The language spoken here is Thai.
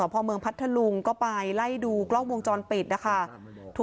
พอเล่นไงตกลง